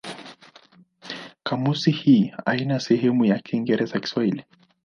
Kamusi hii haina sehemu ya Kiingereza-Kiswahili.